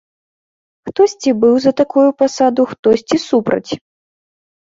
Хтосьці быў за такую пасаду, хтосьці супраць.